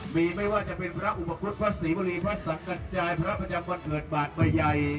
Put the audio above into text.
มีไม่ว่าจะเป็นพระอุปกรุษพระศรีบุรีพระสังกัจจายพระประจำบัติเกิดบาทบายัย